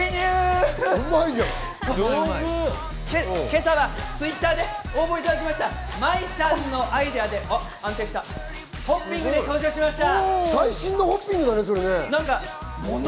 今朝はＴｗｉｔｔｅｒで応募いただいた舞さんのアイデアで、ホッピングで登場しました。